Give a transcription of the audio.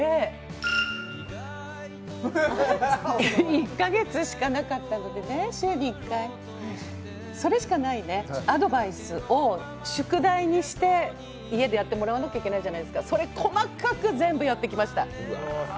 １か月しかなかったので、週に１回、それしかないね、アドバイスを宿題にして家でやってもらわなきゃいけないじゃないですか、それ、細かく全部やってきました。